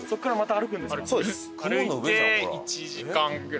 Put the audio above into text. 歩いて１時間ぐらい。